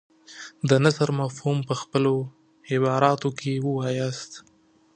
د نثر مفهوم په خپلو عباراتو کې ووایاست.